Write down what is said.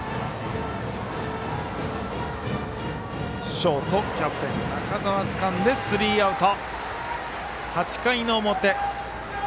ショート、キャプテン中澤つかんでスリーアウト。